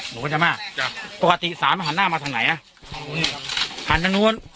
หนูก็จะมากจ้ะปกติสารมันหันหน้ามาทางไหนอ่ะทางนู้นหันทางนู้น